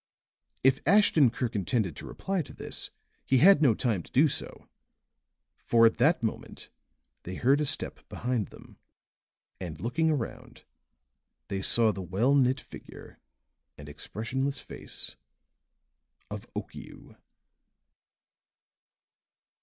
If Ashton Kirk intended to reply to this, he had no time to do so; for at that moment they heard a step behind them and looking around they saw the well knit figure and expressionless face of Okiu.